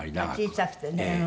小さくてねうん。